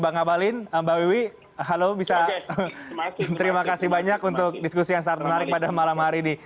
bang abalin mbak wiwi halo bisa terima kasih banyak untuk diskusi yang sangat menarik pada malam hari ini